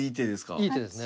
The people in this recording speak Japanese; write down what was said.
いい手ですね。